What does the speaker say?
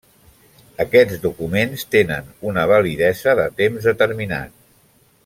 Aquests documents tenen una validesa de temps determinat.